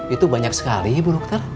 itu banyak sekali ibu dokter